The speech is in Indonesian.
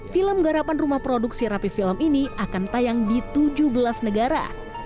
film garapan rumah produksi rapi film ini akan tayang di tujuh belas negara